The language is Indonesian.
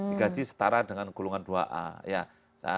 digaji setara dengan gulungan dua a ya